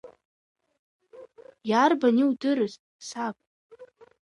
Иарбан иудырыз, саб?!